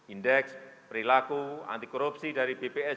indeks perilaku anti korupsi dari bps